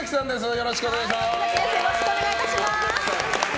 よろしくお願いします。